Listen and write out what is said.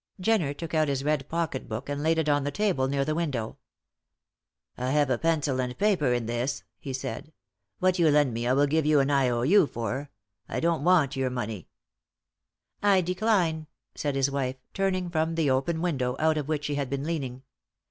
Jenner took out his red pocket book and laid it on the table near the window. "I have a pencil and paper in this," he said. "What you lend me I will give you an I.O.U. for. I don't want your money." "I decline," said his wife, turning from the open window, out of which she had been leaning.